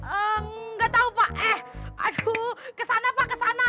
enggak tahu pak eh aduh kesana pak kesana